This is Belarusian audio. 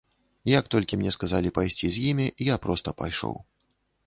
Як толькі мне сказалі пайсці з імі, я проста пайшоў.